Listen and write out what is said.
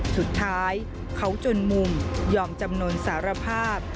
สุดท้ายเขาจนมุมยอมจำนวนสารภาพ